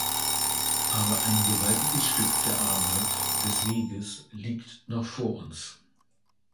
Aber ein gewaltiges Stück der Arbeit, des Weges liegt noch vor uns.